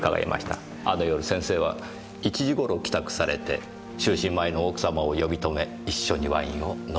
あの夜先生は１時頃帰宅されて就寝前の奥様を呼び止め一緒にワインを飲まれた。